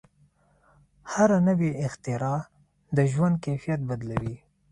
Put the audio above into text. هره نوې اختراع د ژوند کیفیت بدلوي.